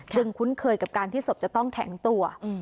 คุ้นเคยกับการที่ศพจะต้องแข็งตัว